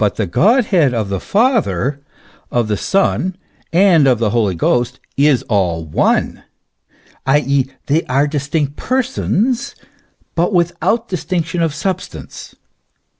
233 the Godhead of the Father, of the Son, and of the Holy Ghost, is all one ;" i. e., they are distinct persons, but without distinc tion of substance.